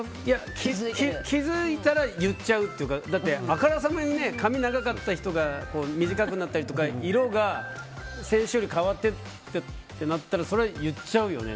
気づいたら言っちゃうというかだってあからさまに髪長かった人が短くなったり色が先週と変わったてなったらそれは言っちゃうよね。